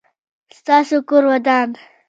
ستاسو کور ودان؟